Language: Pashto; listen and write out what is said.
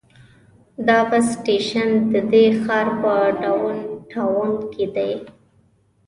دا بس سټیشن د دې ښار په ډاون ټاون کې دی.